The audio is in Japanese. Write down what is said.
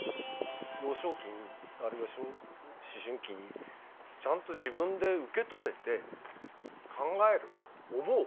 幼少期にあるいは思春期にちゃんと自分で受け止めて考える思う